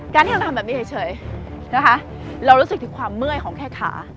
การที่เราทำแบบนี้เฉยนะคะเรารู้สึกถึงความเมื่อยของแค่ขา